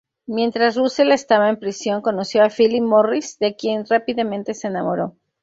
Mientras Russell estaba en prisión, conoció a Phillip Morris, de quien rápidamente se enamoró.